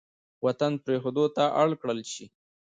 وطـن پـرېښـودو تـه اړ کـړل شـي.